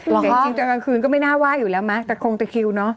แต่จริงตอนกลางคืนก็ไม่น่าไหว้อยู่แล้วมั้ยแต่คงตะคิวเนอะ